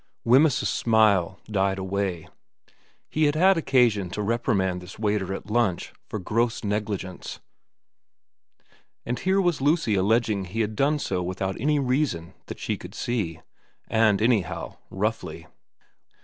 Wemyss's smile died away. He had had occasion to reprimand this waiter at lunch for gross negligence, and here was Lucy alleging he had done so without any reason that she could see, and anyhow roughly.